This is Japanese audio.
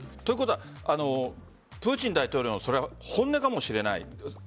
ということはプーチン大統領のそれは本音かもしれない。